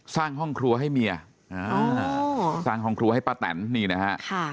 สร้างห้องครัวให้เมียสร้างห้องครัวให้ป้าแตนนี่นะฮะ